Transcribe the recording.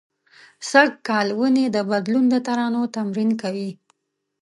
سږ کال ونې د بدلون د ترانو تمرین کوي